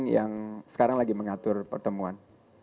yang sekarang lagi mengatur pertemuan